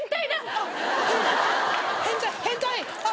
あっ変態変態！